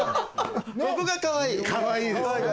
ここがかわいい。